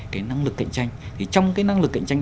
cái năng lực cạnh tranh thì trong cái năng lực cạnh tranh